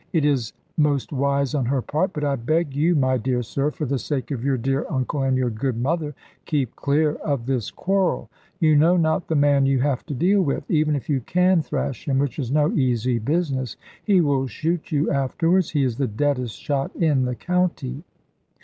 It is most wise on her part. But I beg you, my dear sir, for the sake of your dear uncle and your good mother, keep clear of this quarrel. You know not the man you have to deal with. Even if you can thrash him, which is no easy business, he will shoot you afterwards. He is the deadest shot in the county."